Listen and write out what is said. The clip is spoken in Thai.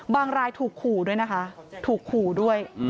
รายถูกขู่ด้วยนะคะถูกขู่ด้วย